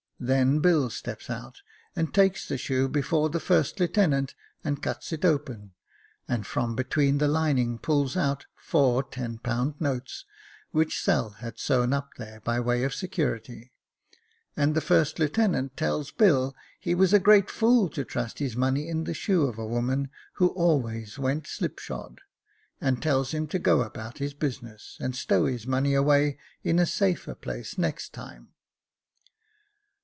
Then Bill steps out, and takes the shoe before the first lieutenant, and cuts it open, and from between the lining pulls out four ten pound notes, which Sail had sewn up there by way of security ; and the first lieutenant tells Bill he was a great fool to trust his money in the shoe of a woman who always went slipshod, and tells him to go about his business, and stow his money away in a safer place next time.